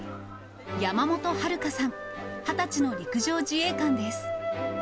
山本遥香さん、２０歳の陸上自衛官です。